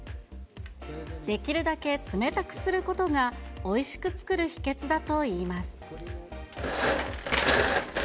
できるだけ冷たくすることがおいしく作る秘けつだといいます。